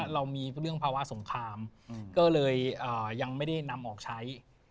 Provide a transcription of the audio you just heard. เรามีเรื่องภาวะสงครามก็เลยยังไม่ได้นำออกใช้